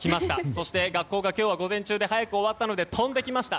そして、学校が今日は午前中で早く終わったので飛んできました。